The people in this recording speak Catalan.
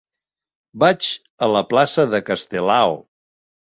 Vaig a la plaça de Castelao.